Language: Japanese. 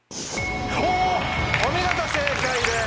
お見事正解です。